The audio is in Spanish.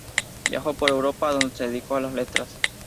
Viajó por Europa, donde se dedicó a las Letras.